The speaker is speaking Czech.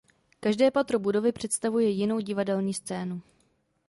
Každé patro budovy představuje jinou divadelní scénu.